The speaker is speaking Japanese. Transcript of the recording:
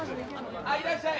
あいらっしゃい。